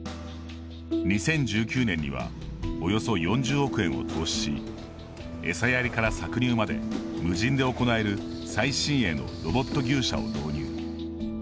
２０１９年にはおよそ４０億円を投資しエサやりから搾乳まで無人で行える最新鋭のロボット牛舎を導入。